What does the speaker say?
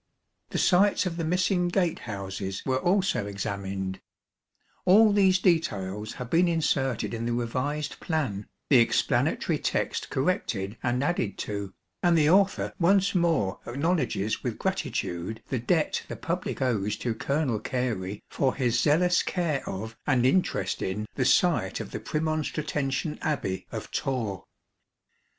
The sites of the missing gate houses were also examined. All these details have been inserted in the revised plan, the explanatory text corrected and added to ; and the author once more acknowledges with gratitude the debt the public owes to Colonel Cary for his zealous care of and interest in the site of the Premonstra tensian Abbey of Torre.